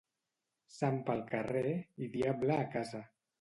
Sant pel carrer i diable a casa.